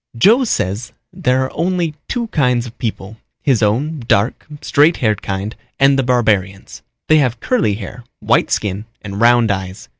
"Joe says there are only two kinds of people, his own dark, straight haired kind and the barbarians. They have curly hair, white skin and round eyes.